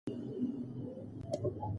زده کړه مې له پخوانیو کسانو وکړه.